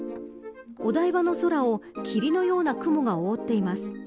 お台場の空を霧のような雲が覆っています。